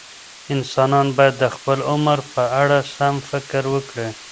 انسانان باید د خپل عمر په اړه سم فکر وکړي.